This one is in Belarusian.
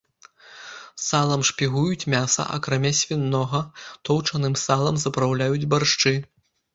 Салам шпігуюць мяса, акрамя свінога, тоўчаным салам запраўляюць баршчы.